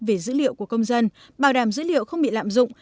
về dữ liệu của công dân bảo đảm dữ liệu không bị lạm dụng